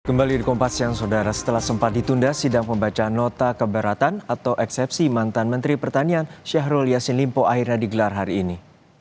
kembali di kompas yang saudara setelah sempat ditunda sidang pembacaan nota keberatan atau eksepsi mantan menteri pertanian syahrul yassin limpo akhirnya digelar hari ini